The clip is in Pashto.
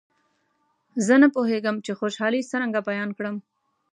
زه نه پوهېږم چې خوشالي څرنګه بیان کړم.